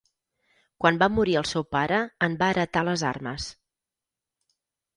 Quan va morir el seu pare, en va heretar les armes.